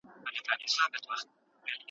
الله ته سجده کول د بنده عاجزي ده.